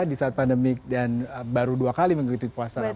di saat pandemik dan baru dua kali mengikuti puasa